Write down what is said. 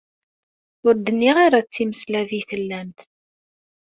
Ur d-nniɣ ara d timeslab i tellamt.